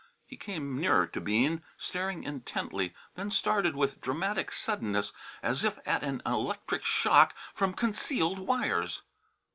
He came nearer to Bean, staring intently, then started with dramatic suddenness as if at an electric shock from concealed wires.